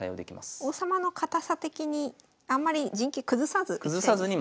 王様の堅さ的にあんまり陣形崩さずいきたいですね。